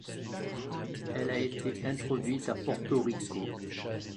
Elle a été introduite à Porto Rico.